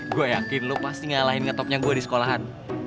gue yakin lu pasti ngalahin ngetopnya gue di sekolahan